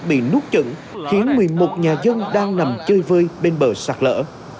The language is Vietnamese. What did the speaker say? bị nút trận khiến nguyên một nhà dân đang nằm chơi vơi bên bờ sạt lở